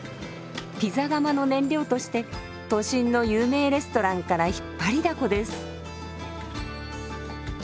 ピザ窯の燃料として都心の有名レストランから引っ張りだこです。